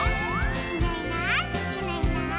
「いないいないいないいない」